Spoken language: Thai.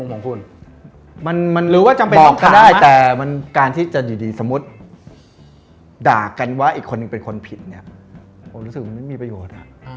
บอกแท้ได้แต่มันการที่จะสมมุติด่ากันว่าอีกคนเป็นที่ผิดผมรู้สึกว่ามันไม่มีประโยชน์